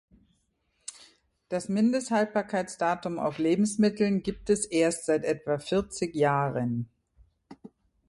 Das Mindesthaltbarkeitsdatum auf Lebensmitteln gibt es erst seit etwa vierzig Jahren.